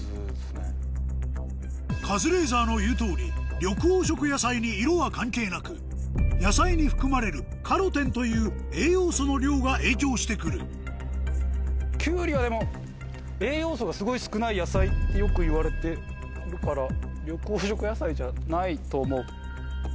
カズレーザーの言う通り緑黄色野菜に色は関係なく野菜に含まれるカロテンという栄養素の量が影響して来るキュウリはでも栄養素がすごい少ない野菜ってよくいわれてるから。と思う。